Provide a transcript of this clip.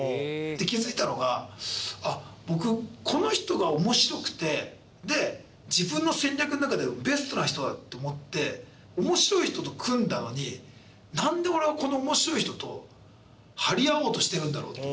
気付いたのがあっ僕この人が面白くて自分の戦略の中ではベストな人だって思って面白い人と組んだのになんで俺はこの面白い人と張り合おうとしているんだろうと。